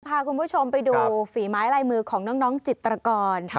พาคุณผู้ชมไปดูฝีไม้ลายมือของน้องจิตรกร